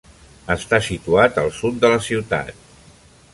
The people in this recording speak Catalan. Està situat al sud de la ciutat.